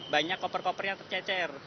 banyak koper koper yang tercecer